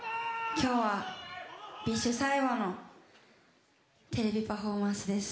今日はＢｉＳＨ最後のテレビパフォーマンスです。